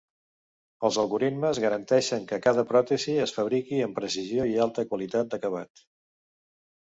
Els algoritmes garanteixen que cada pròtesi es fabriqui amb precisió i alta qualitat d'acabat.